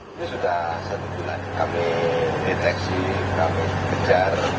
ini sudah satu bulan kami deteksi kami kejar